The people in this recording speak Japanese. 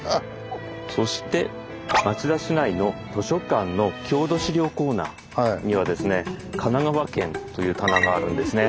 そして町田市内の図書館の郷土資料コーナーにはですね「神奈川県」という棚があるんですね。